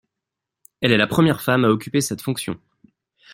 Elle est la première femme à occuper cette fonction.